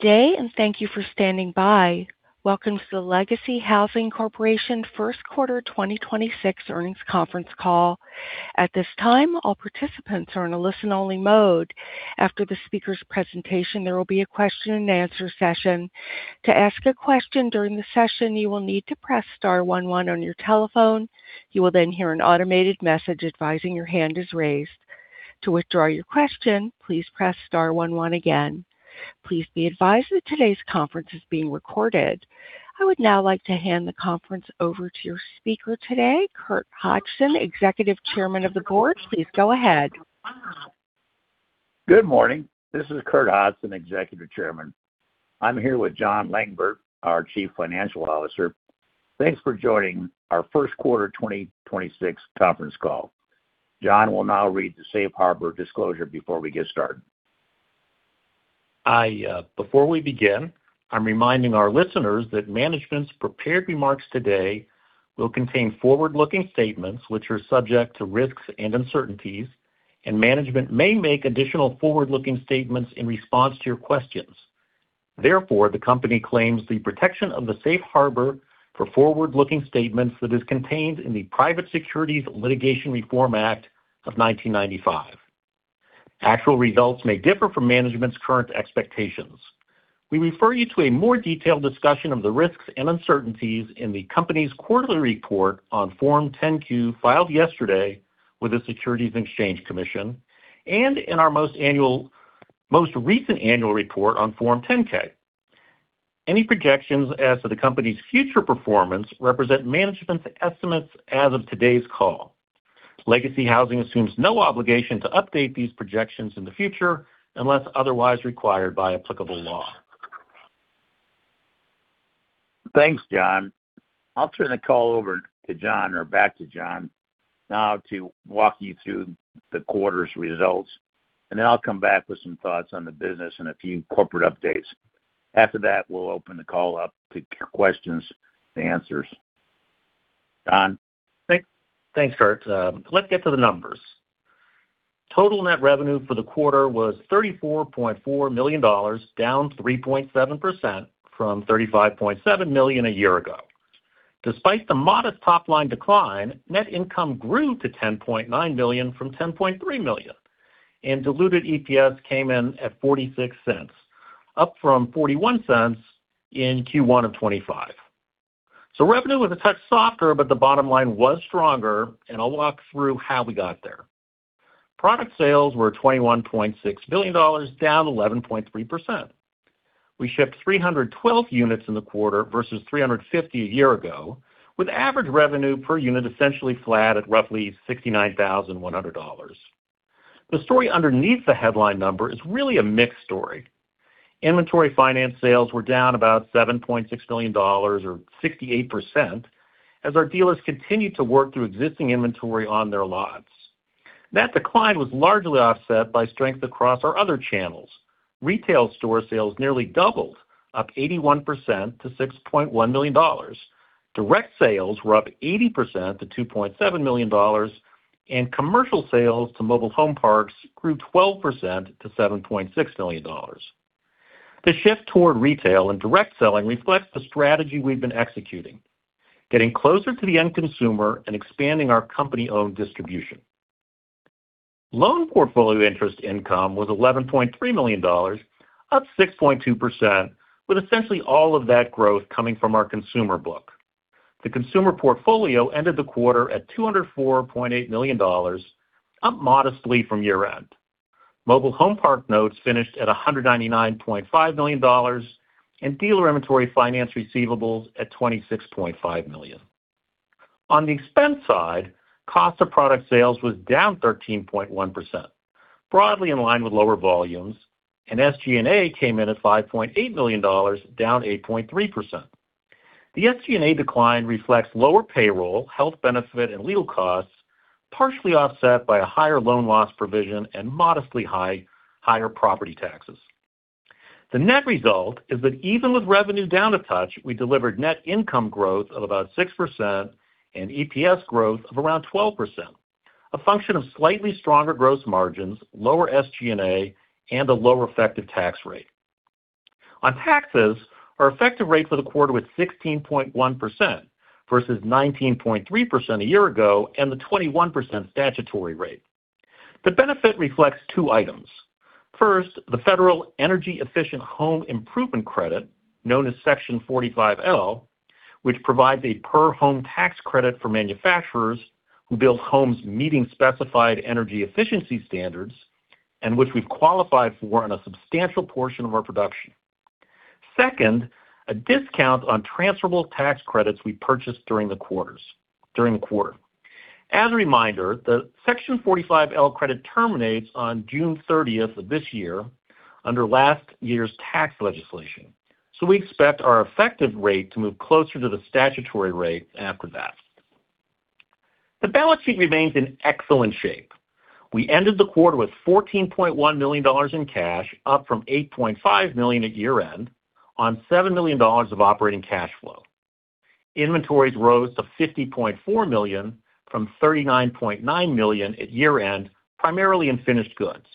Welcome to the Legacy Housing Corporation first quarter 2026 earnings conference call. At this time, all participants are in a listen-only mode. After the speaker's presentation, there will be a question-and-answer session. To ask a question during the session, you will need to press star one one on your telephone. You will then hear an automated message advising your hand is raised. To withdraw your question, please press star one one again. Please be advised that today's conference is being recorded. I would now like to hand the conference over to your speaker today, Curt Hodgson, Executive Chairman of the Board. Please go ahead. Good morning. This is Curt Hodgson, Executive Chairman. I'm here with Jon Langbert, our Chief Financial Officer. Thanks for joining our first quarter 2026 conference call. Jon will now read the Safe Harbor Disclosure before we get started. Before we begin, I'm reminding our listeners that management's prepared remarks today will contain forward-looking statements which are subject to risks and uncertainties, and management may make additional forward-looking statements in response to your questions. The company claims the protection of the Safe Harbor for forward-looking statements that is contained in the Private Securities Litigation Reform Act of 1995. Actual results may differ from management's current expectations. We refer you to a more detailed discussion of the risks and uncertainties in the company's quarterly report on Form 10-Q filed yesterday with the Securities and Exchange Commission and in our most recent annual report on Form 10-K. Any projections as to the company's future performance represent management's estimates as of today's call. Legacy Housing assumes no obligation to update these projections in the future unless otherwise required by applicable law. Thanks, Jon. I'll turn the call over to Jon or back to Jon now to walk you through the quarter's results, and then I'll come back with some thoughts on the business and a few corporate updates. After that, we'll open the call up to questions and answers. Jon? Thanks, Curt. Let's get to the numbers. Total net revenue for the quarter was $34.4 million, down 3.7% from $35.7 million a year ago. Despite the modest top-line decline, net income grew to $10.9 million from $10.3 million, and diluted EPS came in at $0.46, up from $0.41 in Q1 of 2025. Revenue was a touch softer, but the bottom line was stronger, and I'll walk through how we got there. Product sales were $21.6 million, down 11.3%. We shipped 312 units in the quarter versus 350 a year ago, with average revenue per unit essentially flat at roughly $69,100. The story underneath the headline number is really a mixed story. Inventory finance sales were down about $7.6 million or 68% as our dealers continued to work through existing inventory on their lots. That decline was largely offset by strength across our other channels. Retail store sales nearly doubled, up 81% to $6.1 million. Direct sales were up 80% to $2.7 million, and commercial sales to mobile home parks grew 12% to $7.6 million. The shift toward retail and direct selling reflects the strategy we've been executing, getting closer to the end consumer and expanding our company-owned distribution. Loan portfolio interest income was $11.3 million, up 6.2%, with essentially all of that growth coming from our consumer book. The consumer portfolio ended the quarter at $204.8 million, up modestly from year-end. Mobile home park notes finished at $199.5 million, and dealer inventory finance receivables at $26.5 million. On the expense side, cost of product sales was down 13.1%, broadly in line with lower volumes, and SG&A came in at $5.8 million, down 8.3%. The SG&A decline reflects lower payroll, health benefit, and legal costs, partially offset by a higher loan loss provision and modestly higher property taxes. The net result is that even with revenue down a touch, we delivered net income growth of about 6% and EPS growth of around 12%, a function of slightly stronger gross margins, lower SG&A, and a lower effective tax rate. On taxes, our effective rate for the quarter was 16.1% versus 19.3% a year ago and the 21% statutory rate. The benefit reflects two items. First, the Federal Energy Efficient Home Improvement Credit, known as Section 45L, which provides a per-home tax credit for manufacturers who build homes meeting specified energy efficiency standards and which we've qualified for on a substantial portion of our production. Second, a discount on transferable tax credits we purchased during the quarter. As a reminder, the Section 45L credit terminates on June 30th of this year under last year's tax legislation. We expect our effective rate to move closer to the statutory rate after that. The balance sheet remains in excellent shape. We ended the quarter with $14.1 million in cash, up from $8.5 million at year-end on $7 million of operating cash flow. Inventories rose to $50.4 million from $39.9 million at year-end, primarily in finished goods.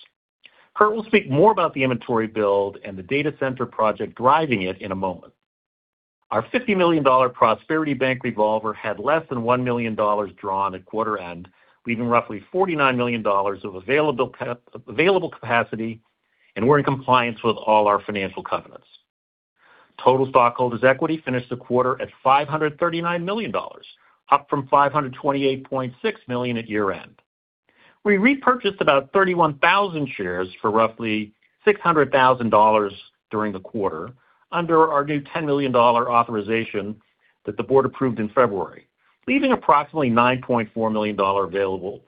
Curt will speak more about the inventory build and the data center project driving it in a moment. Our $50 million Prosperity Bank revolver had less than $1 million drawn at quarter end, leaving roughly $49 million of available capacity, and we're in compliance with all our financial covenants. Total stockholders' equity finished the quarter at $539 million, up from $528.6 million at year-end. We repurchased about 31,000 shares for roughly $600,000 during the quarter under our new $10 million authorization that the board approved in February, leaving approximately $9.4 million available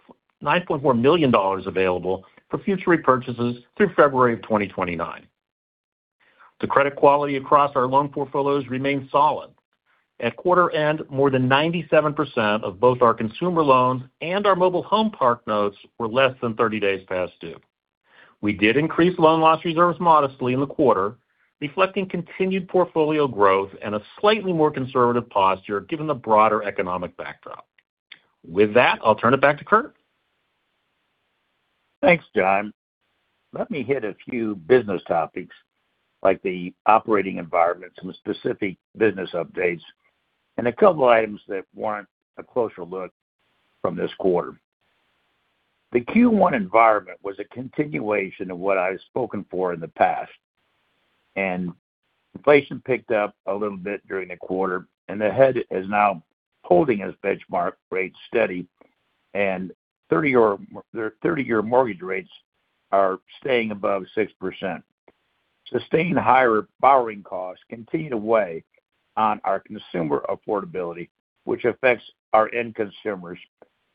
for future repurchases through February of 2029. The credit quality across our loan portfolios remains solid. At quarter end, more than 97% of both our consumer loans and our mobile home park notes were less than 30 days past due. We did increase loan loss reserves modestly in the quarter, reflecting continued portfolio growth and a slightly more conservative posture given the broader economic backdrop. With that, I'll turn it back to Curt. Thanks, Jon. Let me hit a few business topics, like the operating environment, some specific business updates, and a couple items that warrant a closer look from this quarter. The Q1 environment was a continuation of what I've spoken for in the past. Inflation picked up a little bit during the quarter, and the Fed is now holding its benchmark rates steady. 30-year mortgage rates are staying above 6%. Sustained higher borrowing costs continue to weigh on our consumer affordability, which affects our end consumers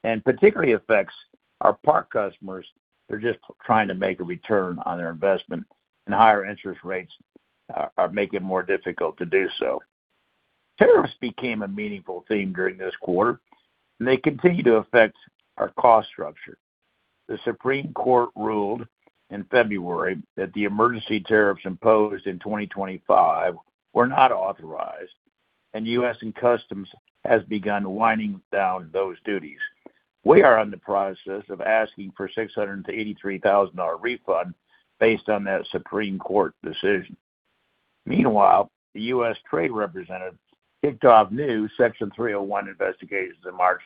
and particularly affects our park customers. They're just trying to make a return on their investment, and higher interest rates are making it more difficult to do so. Tariffs became a meaningful theme during this quarter, and they continue to affect our cost structure. The Supreme Court ruled in February that the emergency tariffs imposed in 2025 were not authorized, and U.S. Customs has begun winding down those duties. We are in the process of asking for $683,000 refund based on that Supreme Court decision. Meanwhile, the U.S. Trade Representative kicked off new Section 301 investigations in March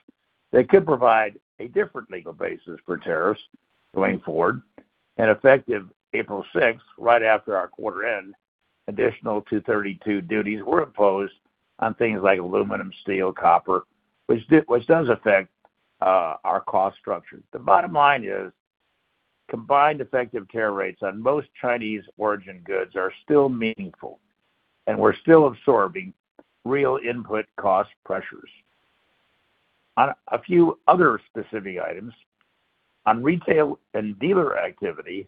that could provide a different legal basis for tariffs going forward. Effective April 6th, right after our quarter end, additional 232 duties were imposed on things like aluminum, steel, copper, which does affect our cost structure. The bottom line is, combined effective tariff rates on most Chinese origin goods are still meaningful, and we're still absorbing real input cost pressures. On a few other specific items, on retail and dealer activity,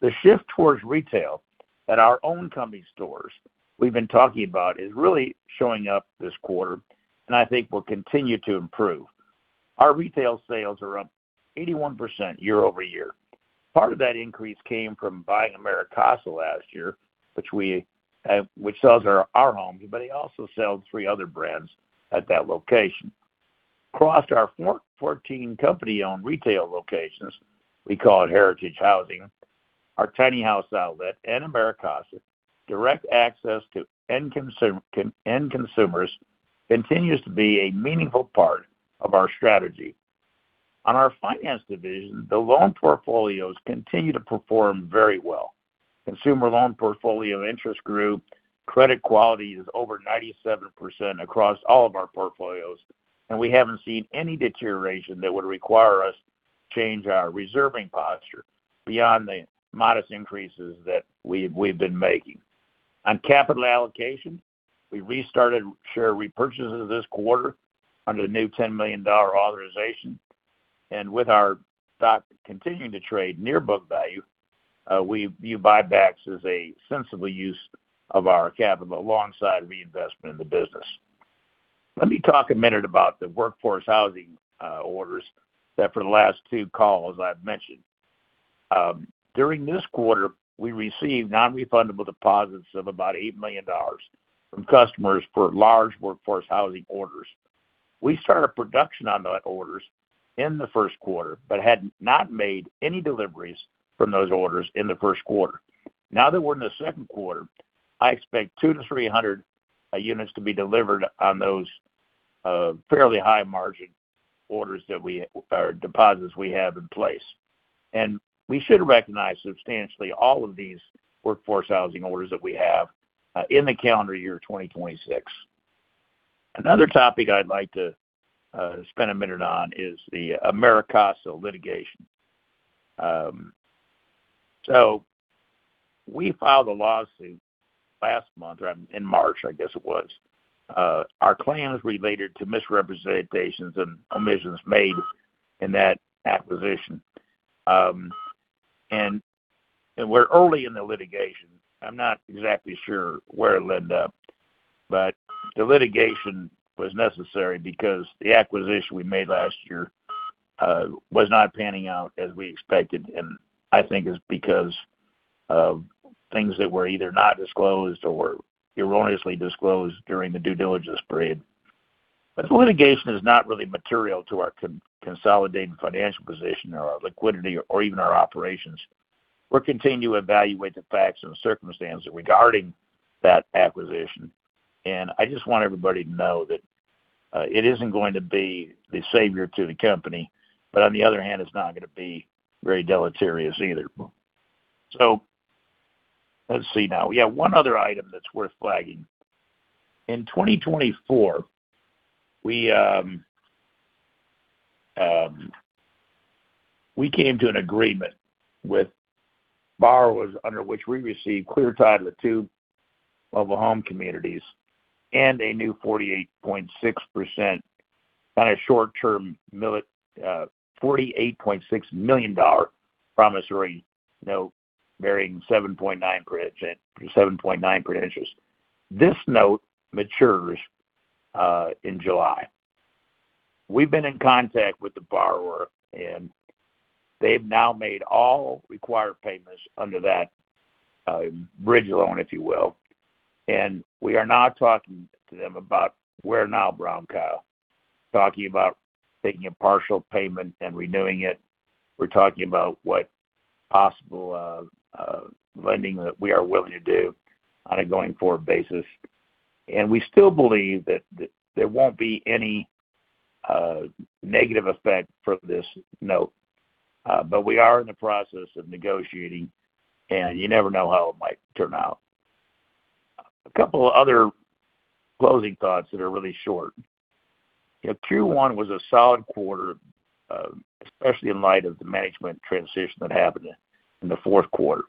the shift towards retail at our own company stores we've been talking about is really showing up this quarter, and I think will continue to improve. Our retail sales are up 81% year-over-year. Part of that increase came from buying AmeriCasa last year, which sells our homes, but it also sells three other brands at that location. Across our 14 company-owned retail locations, we call it Heritage Housing, our Tiny House Outlet, and AmeriCasa, direct access to end consumers continues to be a meaningful part of our strategy. On our finance division, the loan portfolios continue to perform very well. Consumer loan portfolio interest grew. Credit quality is over 97% across all of our portfolios. We haven't seen any deterioration that would require us to change our reserving posture beyond the modest increases that we've been making. On capital allocation, we restarted share repurchases this quarter under the new $10 million authorization. With our stock continuing to trade near book value, we view buybacks as a sensible use of our capital alongside reinvestment in the business. Let me talk a minute about the workforce housing orders that for the last two calls I've mentioned. During this quarter, we received non-refundable deposits of about $8 million from customers for large workforce housing orders. We started production on the orders in the first quarter. Had not made any deliveries from those orders in the first quarter. Now that we're in the second quarter, I expect 200-300 units to be delivered on those fairly high margin orders that we or deposits we have in place. We should recognize substantially all of these workforce housing orders that we have in the calendar year 2026. Another topic I'd like to spend a minute on is the AmeriCasa litigation. We filed a lawsuit last month, or in March, I guess it was. Our claim is related to misrepresentations and omissions made in that acquisition. We're early in the litigation. I'm not exactly sure where it'll end up, but the litigation was necessary because the acquisition we made last year was not panning out as we expected, and I think it's because of things that were either not disclosed or were erroneously disclosed during the due diligence period. The litigation is not really material to our consolidated financial position or our liquidity or even our operations. We'll continue to evaluate the facts and circumstances regarding that acquisition, and I just want everybody to know that it isn't going to be the savior to the company, but on the other hand, it's not gonna be very deleterious either. Let's see now. We have one other item that's worth flagging. In 2024, we came to an agreement with borrowers under which we received clear title to two mobile home communities and a new 48.6% on a short-term $48.6 million promissory note bearing 7.9% interest. This note matures in July. We've been in contact with the borrower, they've now made all required payments under that bridge loan, if you will. We are now talking to them about where now brown cow. We are talking about taking a partial payment and renewing it. We're talking about what possible lending that we are willing to do on a going-forward basis. We still believe that there won't be any negative effect from this note. We are in the process of negotiating, and you never know how it might turn out. A couple other closing thoughts that are really short. You know, Q1 was a solid quarter, especially in light of the management transition that happened in the fourth quarter.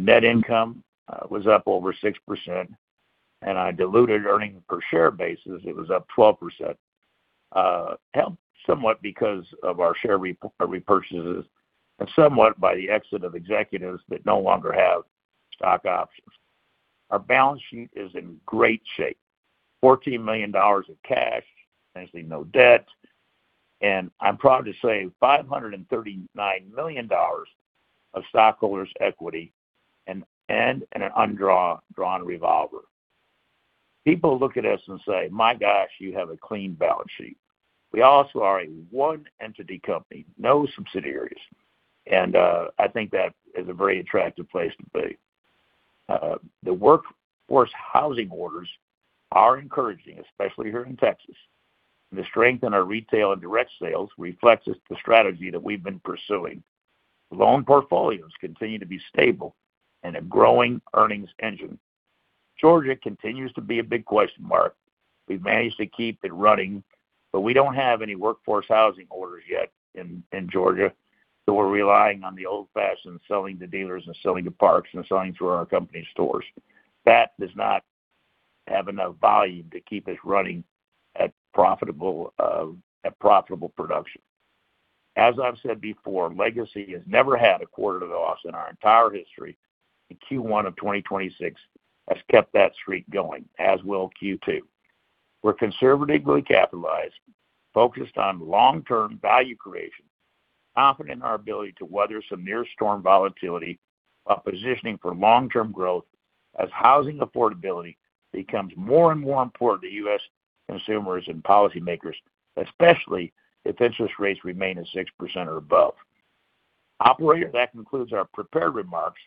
Net income was up over 6%, and on a diluted earnings per share basis, it was up 12%. Helped somewhat because of our share repurchases and somewhat by the exit of executives that no longer have stock options. Our balance sheet is in great shape. $14 million of cash, essentially no debt, and I'm proud to say $539 million of stockholders' equity and an undrawn revolver. People look at us and say, my gosh, you have a clean balance sheet. We also are a one-entity company, no subsidiaries. I think that is a very attractive place to be. The workforce housing orders are encouraging, especially here in Texas. The strength in our retail and direct sales reflects the strategy that we've been pursuing. Loan portfolios continue to be stable and a growing earnings engine. Georgia continues to be a big question mark. We've managed to keep it running, but we don't have any workforce housing orders yet in Georgia, so we're relying on the old-fashioned selling to dealers and selling to parks and selling through our company stores. That does not have enough volume to keep us running at profitable, at profitable production. As I've said before, Legacy has never had a quarter loss in our entire history, and Q1 of 2026 has kept that streak going, as will Q2. We're conservatively capitalized, focused on long-term value creation, confident in our ability to weather some near storm volatility while positioning for long-term growth as housing affordability becomes more and more important to U.S. consumers and policymakers, especially if interest rates remain at 6% or above. Operator, that concludes our prepared remarks.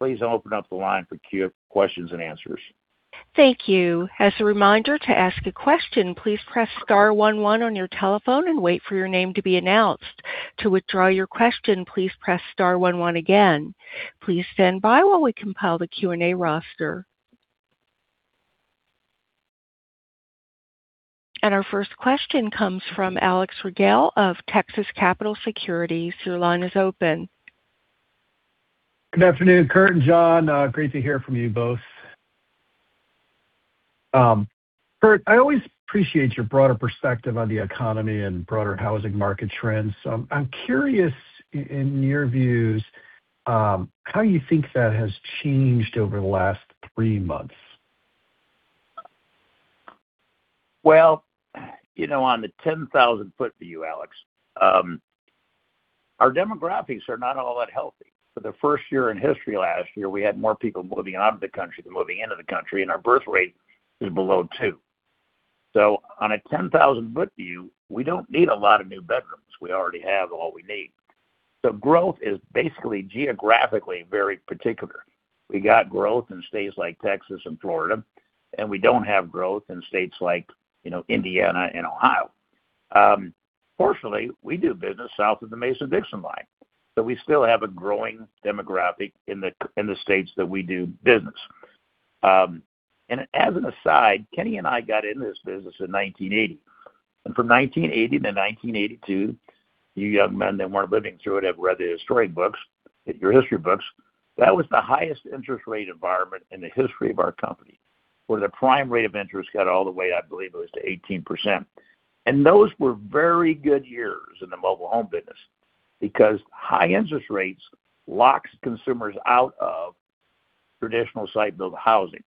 Please open up the line for questions and answers. Thank you. As a reminder to ask a question, please press star one one on your telephone and wait for your name to be announced. To withdraw your question, please press star one one again. Please stand by while we compile the Q&A roster. Our first question comes from Alex Rygiel of Texas Capital Securities. Your line is open. Good afternoon, Curt and Jon. Great to hear from you both. Curt, I always appreciate your broader perspective on the economy and broader housing market trends. I'm curious in your views, how you think that has changed over the last three months. Well, you know, on the 10,000-ft view, Alex, our demographics are not all that healthy. For the first year in history last year, we had more people moving out of the country than moving into the country, our birth rate is below two. On a 10,000-ft view, we don't need a lot of new bedrooms. We already have all we need. Growth is basically geographically very particular. We got growth in states like Texas and Florida, we don't have growth in states like, you know, Indiana and Ohio. Fortunately, we do business south of the Mason-Dixon line, we still have a growing demographic in the states that we do business. As an aside, Kenny and I got into this business in 1980. From 1980-1982, you young men that weren't living through it have read the history books, your history books. That was the highest interest rate environment in the history of our company, where the prime rate of interest got all the way, I believe it was to 18%. Those were very good years in the mobile home business because high interest rates locks consumers out of traditional site-built housing.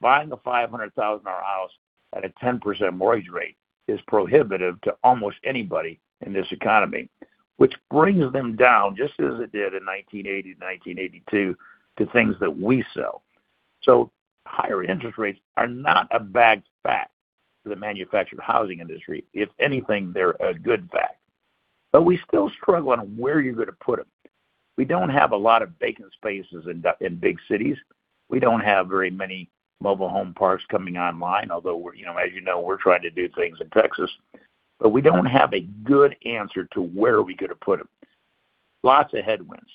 Buying a $500,000 house at a 10% mortgage rate is prohibitive to almost anybody in this economy, which brings them down, just as it did in 1980, 1982, to things that we sell. Higher interest rates are not a bad fact to the manufactured housing industry. If anything, they're a good fact. We still struggle on where you're gonna put them. We don't have a lot of vacant spaces in in big cities. We don't have very many mobile home parks coming online, although we're, you know, as you know, we're trying to do things in Texas. We don't have a good answer to where are we gonna put them. Lots of headwinds.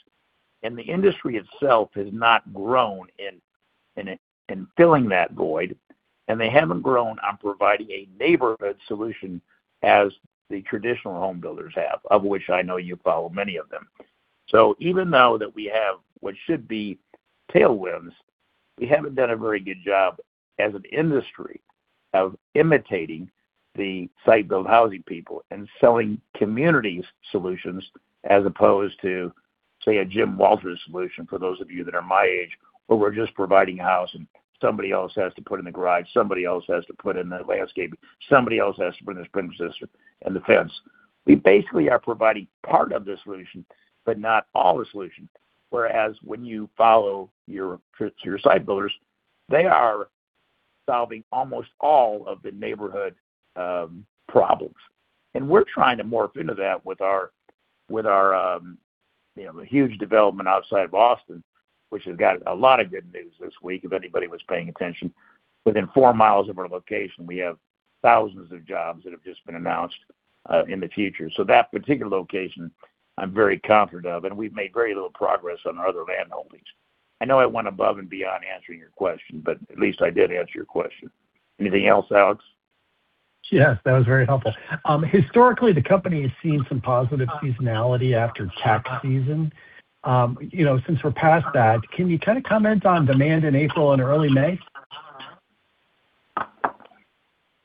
The industry itself has not grown in filling that void, and they haven't grown on providing a neighborhood solution as the traditional home builders have, of which I know you follow many of them. Even though that we have what should be tailwinds, we haven't done a very good job as an industry of imitating the site-built housing people and selling communities solutions as opposed to, say, a Jim Walter solution, for those of you that are my age, where we're just providing a house and somebody else has to put in the garage, somebody else has to put in the landscaping, somebody else has to put in the sprinkler system and the fence. We basically are providing part of the solution, but not all the solution. Whereas when you follow your site builders, they are solving almost all of the neighborhood problems. We're trying to morph into that with our, you know, huge development outside of Austin, which has got a lot of good news this week, if anybody was paying attention. Within 4 mi of our location, we have thousands of jobs that have just been announced in the future. That particular location, I'm very confident of, and we've made very little progress on our other land holdings. I know I went above and beyond answering your question, but at least I did answer your question. Anything else, Alex? Yes, that was very helpful. Historically, the company has seen some positive seasonality after tax season. You know, since we're past that, can you kinda comment on demand in April and early May?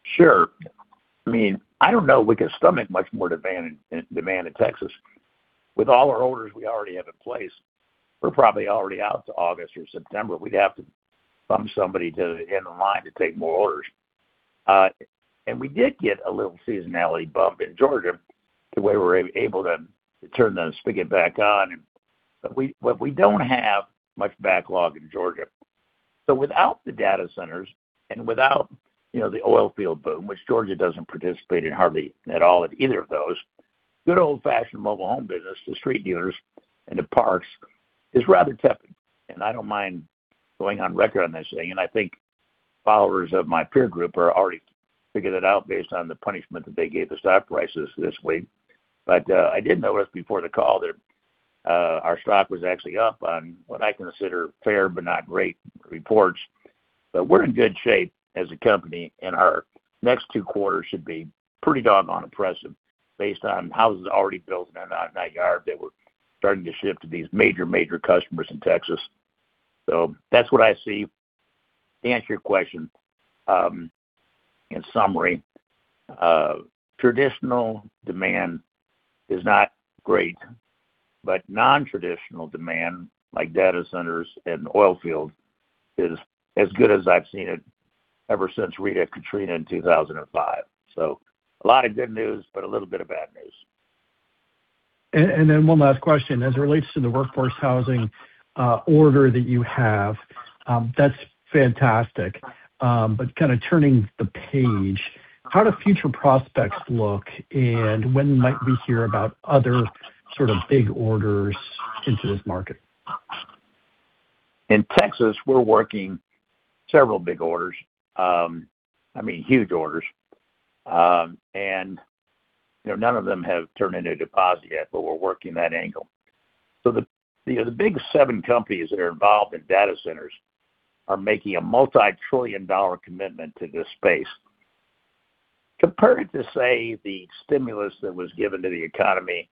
Sure. I mean, I don't know we could stomach much more demand in Texas. With all our orders we already have in place, we're probably already out to August or September. We'd have to bump somebody in the line to take more orders. We did get a little seasonality bump in Georgia, the way we're able to turn the spigot back on. We don't have much backlog in Georgia. Without the data centers and without, you know, the oil field boom, which Georgia doesn't participate in hardly at all at either of those, good old-fashioned mobile home business, the street dealers and the parks, is rather tepid. I don't mind going on record on this thing, and I think followers of my peer group are already figured it out based on the punishment that they gave the stock prices this week. I did notice before the call that our stock was actually up on what I consider fair but not great reports. We're in good shape as a company, and our next two quarters should be pretty doggone impressive based on houses already built in our, in our yard that we're starting to ship to these major customers in Texas. That's what I see. To answer your question, in summary, traditional demand is not great, but non-traditional demand, like data centers and oil field, is as good as I've seen it ever since Rita and Katrina in 2005. A lot of good news, but a little bit of bad news. One last question. As it relates to the workforce housing order that you have, that's fantastic. Kinda turning the page, how do future prospects look, and when might we hear about other sort of big orders into this market? In Texas, we're working several big orders. I mean, huge orders. You know, none of them have turned into a deposit yet, but we're working that angle. The, you know, the big seven companies that are involved in data centers are making a multi-trillion dollar commitment to this space. Compare it to, say, the stimulus that was given to the economy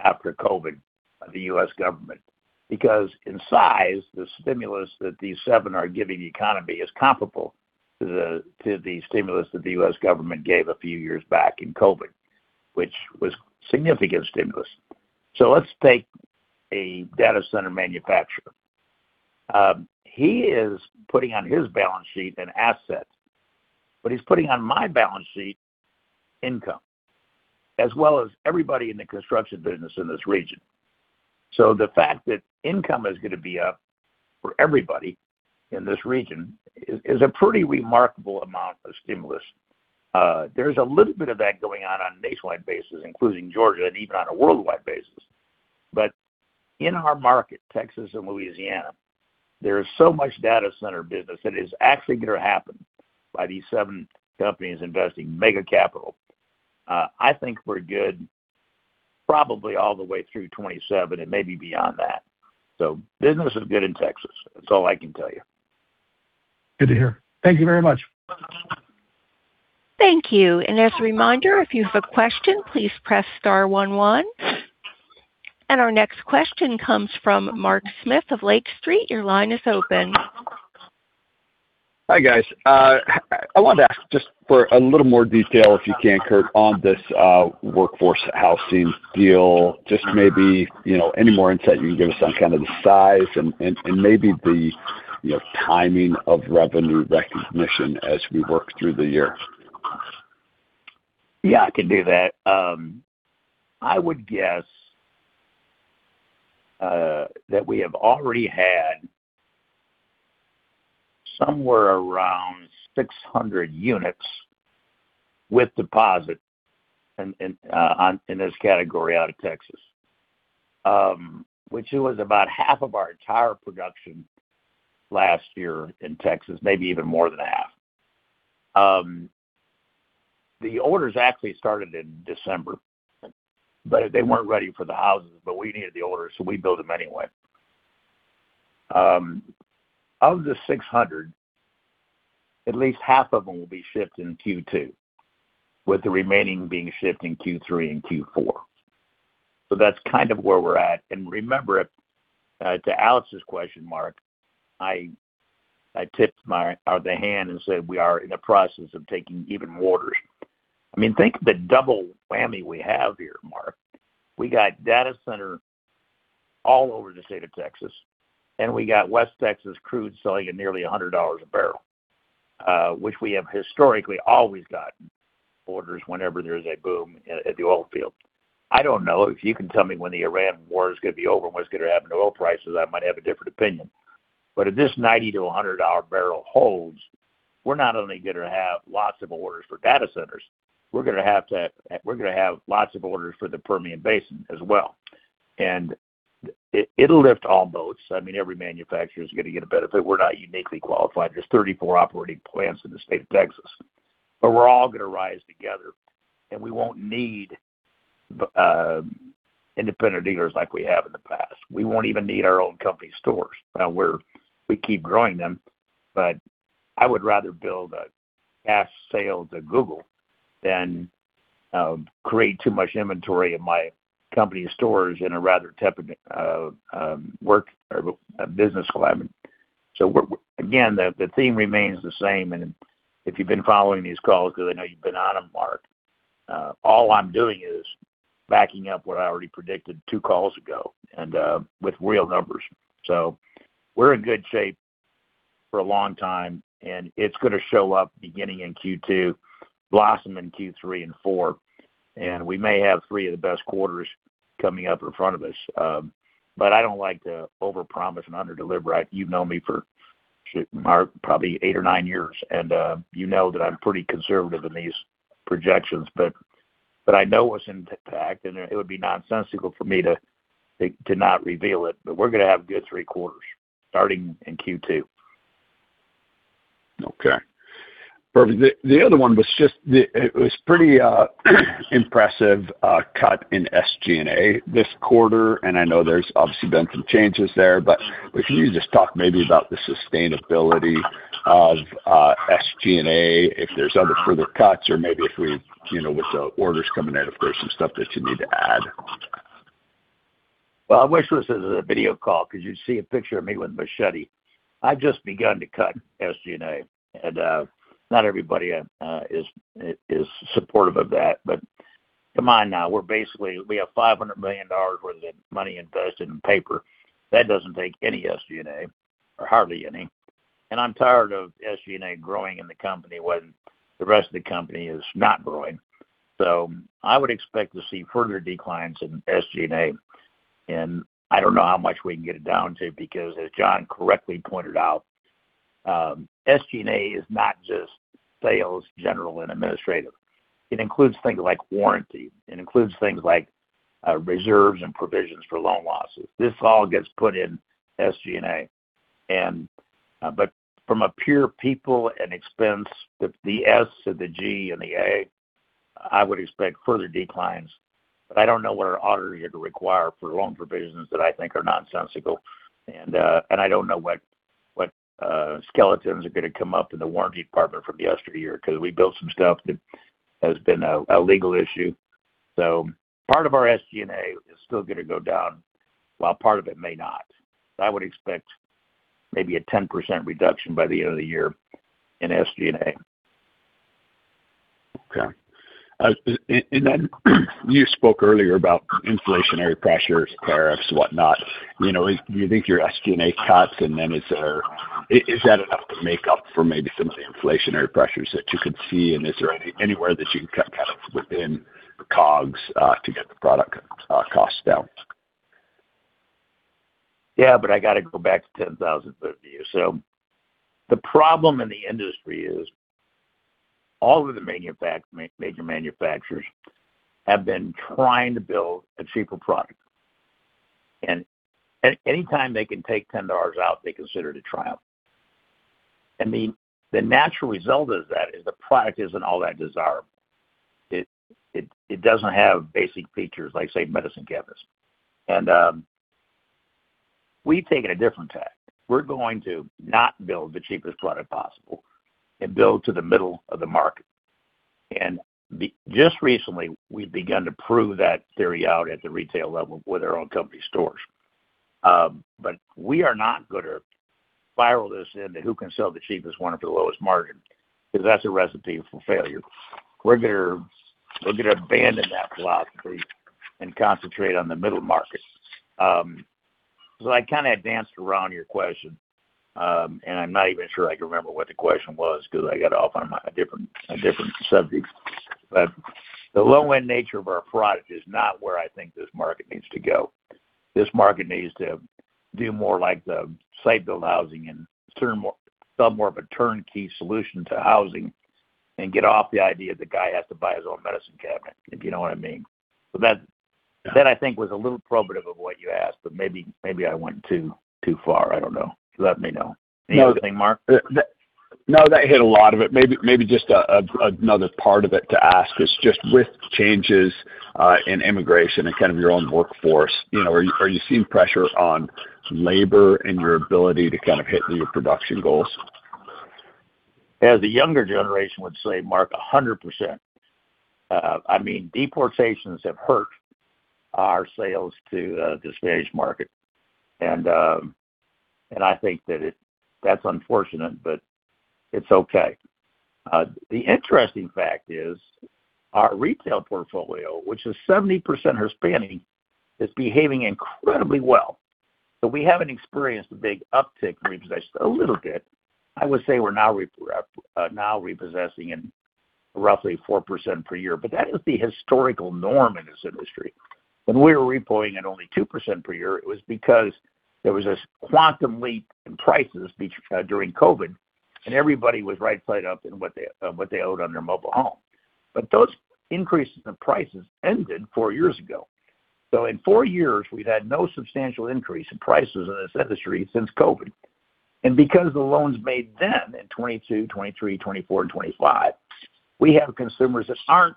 after COVID by the U.S. government. In size, the stimulus that these seven are giving the economy is comparable to the, to the stimulus that the U.S. government gave a few years back in COVID, which was significant stimulus. Let's take a data center manufacturer. He is putting on his balance sheet an asset, but he's putting on my balance sheet income, as well as everybody in the construction business in this region. The fact that income is gonna be up for everybody in this region is a pretty remarkable amount of stimulus. There's a little bit of that going on on a nationwide basis, including Georgia, and even on a worldwide basis. In our market, Texas and Louisiana, there is so much data center business that is actually gonna happen by these seven companies investing mega capital. I think we're good probably all the way through 2027 and maybe beyond that. Business is good in Texas. That's all I can tell you. Good to hear. Thank you very much. Thank you. As a reminder, if you have a question, please press star one one. Our next question comes from Mark Smith of Lake Street. Your line is open. Hi, guys. I wanted to ask just for a little more detail, if you can, Curt, on this workforce housing deal, just maybe, you know, any more insight you can give us on kinda the size and maybe the, you know, timing of revenue recognition as we work through the year. Yeah, I can do that. I would guess that we have already had somewhere around 600 units with deposit in this category out of Texas. Which it was about half of our entire production last year in Texas, maybe even more than half. The orders actually started in December, but they weren't ready for the houses, but we needed the orders, so we built them anyway. Of the 600, at least half of them will be shipped in Q2, with the remaining being shipped in Q3 and Q4. That's kind of where we're at. Remember, to Alex Rygiel's question, Mark Smith, I tipped my hand and said we are in the process of taking even more. I mean, think of the double whammy we have here, Mark Smith. We got data centers all over the state of Texas. We got West Texas crude selling at nearly $100 a barrel, which we have historically always gotten orders whenever there's a boom in the oil field. I don't know. If you can tell me when the Iran war is gonna be over and what's gonna happen to oil prices, I might have a different opinion. If this $90-$100 barrel holds, we're not only gonna have lots of orders for data centers, we're gonna have lots of orders for the Permian Basin as well. It'll lift all boats. I mean, every manufacturer is gonna get a benefit. We're not uniquely qualified. There's 34 operating plants in the state of Texas. We're all gonna rise together, and we won't need independent dealers like we have in the past. We won't even need our own company stores. Now we keep growing them, but I would rather build a mass sale to Google than create too much inventory in my company stores in a rather tepid work or a business climate. Again, the theme remains the same. If you've been following these calls, because I know you've been on them, Mark, all I'm doing is backing up what I already predicted two calls ago and with real numbers. We're in good shape for a long time, and it's gonna show up beginning in Q2, blossom in Q3 and Q4, and we may have three of the best quarters coming up in front of us. I don't like to overpromise and underdeliver. You've known me for, shit, Mark, probably eight or nine years, and you know that I'm pretty conservative in these projections. I know what's in, and it would be nonsensical for me to not reveal it. We're gonna have good three quarters starting in Q2. Okay. Perfect. The other one was just it was pretty impressive cut in SG&A this quarter, and I know there's obviously been some changes there. If you could just talk maybe about the sustainability of SG&A, if there's other further cuts or maybe if we, you know, with the orders coming out, if there's some stuff that you need to add. Well, I wish this was a video call because you'd see a picture of me with a machete. I've just begun to cut SG&A, and not everybody is supportive of that. Come on now. We have $500 million worth of money invested in paper. That doesn't take any SG&A or hardly any. I'm tired of SG&A growing in the company when the rest of the company is not growing. I would expect to see further declines in SG&A. I don't know how much we can get it down to because as Jon correctly pointed out, SG&A is not just sales, general, and administrative. It includes things like warranty. It includes things like reserves and provisions for loan losses. This all gets put in SG&A. But from a pure people and expense, the SG&A, I would expect further declines, but I don't know what our auditors are going to require for loan provisions that I think are nonsensical. I don't know what skeletons are going to come up in the warranty department from yesteryear, 'cause we built some stuff that has been a legal issue. Part of our SG&A is still going to go down, while part of it may not. I would expect maybe a 10% reduction by the end of the year in SG&A. Okay. You spoke earlier about inflationary pressures, tariffs, whatnot. You know, do you think your SG&A cuts and then is that enough to make up for maybe some of the inflationary pressures that you could see? Is there anywhere that you can cut kind of within the COGS to get the product costs down? I got to go back to 10,000-ft view. The problem in the industry is all of the major manufacturers have been trying to build a cheaper product. Anytime they can take $10 out, they consider it a triumph. I mean, the natural result of that is the product isn't all that desirable. It doesn't have basic features like, say, medicine cabinets. We've taken a different tack. We're going to not build the cheapest product possible and build to the middle of the market. Just recently, we've begun to prove that theory out at the retail level with our own company stores. We are not gonna spiral this into who can sell the cheapest one at the lowest margin, because that's a recipe for failure. We're gonna abandon that philosophy and concentrate on the middle market. I kinda danced around your question, and I'm not even sure I can remember what the question was because I got off on my, a different, a different subject. The low-end nature of our product is not where I think this market needs to go. This market needs to do more like the site-built housing and sell more of a turnkey solution to housing and get off the idea the guy has to buy his own medicine cabinet, if you know what I mean. Yeah. That I think was a little probative of what you asked, but maybe I went too far. I don't know. Let me know. No. Anything, Mark? That, that No, that hit a lot of it. Maybe just another part of it to ask is just with changes in immigration and kind of your own workforce, you know, are you seeing pressure on labor and your ability to kind of hit your production goals? As the younger generation would say, Mark, 100%. I mean, deportations have hurt our sales to the Spanish market. I think that's unfortunate, but it's okay. The interesting fact is our retail portfolio, which is 70% Hispanic, is behaving incredibly well. We haven't experienced a big uptick in repossessions. A little bit. I would say we're now repossessing in roughly 4% per year. That is the historical norm in this industry. When we were repoing at only 2% per year, it was because there was this quantum leap in prices during COVID, and everybody was right side up in what they owed on their mobile home. Those increases in prices ended four years ago. In four years, we've had no substantial increase in prices in this industry since COVID. Because the loans made then in 2022, 2023, 2024, and 2025, we have consumers that aren't,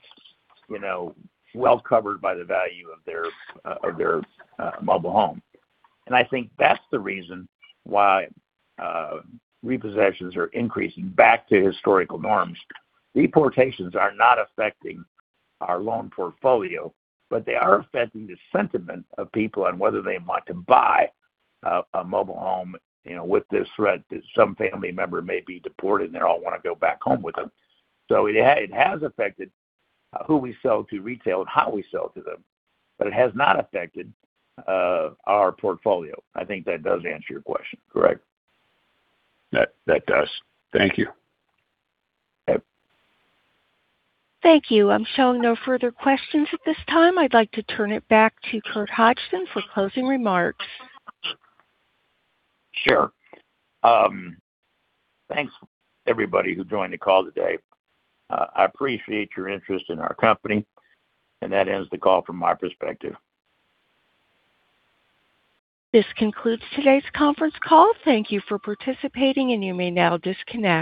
you know, well-covered by the value of their mobile home. I think that's the reason why repossessions are increasing back to historical norms. Deportations are not affecting our loan portfolio, but they are affecting the sentiment of people on whether they want to buy a mobile home, you know, with the threat that some family member may be deported, and they all wanna go back home with them. It has affected who we sell to retail and how we sell to them, but it has not affected our portfolio. I think that does answer your question, correct? That does. Thank you. Okay. Thank you. I'm showing no further questions at this time. I'd like to turn it back to Curt Hodgson for closing remarks. Sure. Thanks everybody who joined the call today. I appreciate your interest in our company, and that ends the call from my perspective. This concludes today's conference call. Thank you for participating, and you may now disconnect.